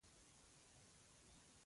زرداد وویل: هو سپۍ خو تازه لنګه شوې.